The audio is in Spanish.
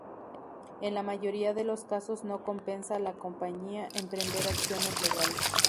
En la mayoría de los casos no compensa a la compañía emprender acciones legales.